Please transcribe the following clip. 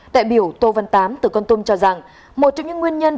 tại biểu tô văn tám từ con tôm cho rằng một trong những nguyên nhân